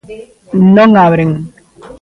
Non abren.